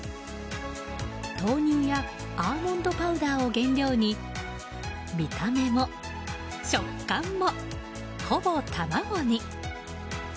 豆乳やアーモンドパウダーを原料に見た目も食感も、ほぼ卵に。